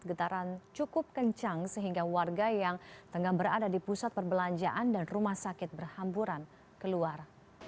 getaran cukup kencang sehingga warga yang tengah berada di pusat perbelanjaan dan rumah sakit berhamburan keluar